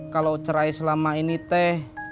kalau cerai selama ini teh